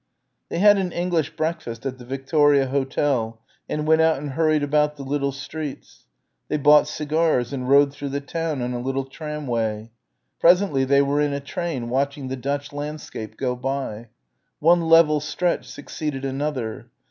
They had an English breakfast at the Victoria Hotel and went out and hurried about the little streets. They bought cigars and rode through the town on a little tramway. Presently they were in a train watching the Dutch landscape go by. One level stretch succeeded another.